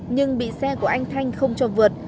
nhưng bị xe của anh thanh không cho vượt